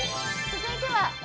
続いては？